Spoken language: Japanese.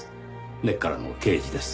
根っからの刑事です。